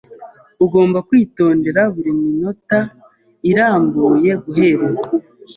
Ugomba kwitondera buri minota irambuye guhera ubu.